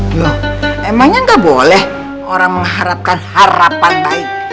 loh emangnya gak boleh orang mengharapkan harapan baik